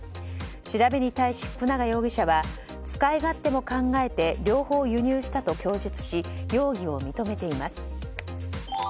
調べに対し、福永容疑者は使い勝手も考えて両方輸入したと供述し、容疑を認めています。